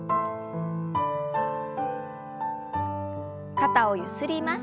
肩をゆすります。